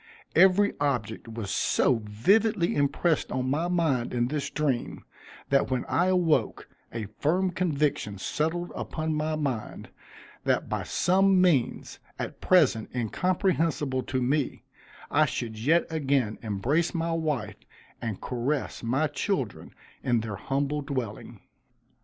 Every object was so vividly impressed on my mind in this dream, that when I awoke, a firm conviction settled upon my mind, that by some means, at present incomprehensible to me, I should yet again embrace my wife, and caress my children in their humble dwelling.